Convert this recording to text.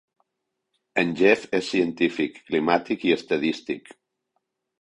En Jeff és científic climàtic i estadístic.